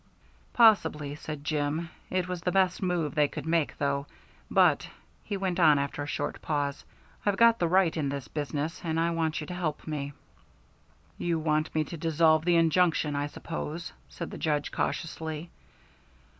"Possibly," said Jim. "It was the best move they could make, though. But," he went on after a short pause, "I've got the right in this business, and I want you to help me." "You want me to dissolve the injunction, I suppose," said the Judge, cautiously.